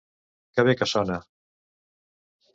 Que bé que sona!